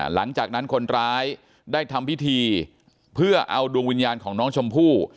หลังจากนั้นคนร้ายได้ทำพิธีเพื่อเอาดวงวิญญาณของน้องชมพู่